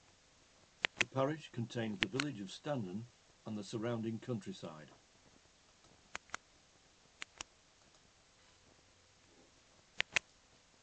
The parish contains the village of Standon and the surrounding countryside.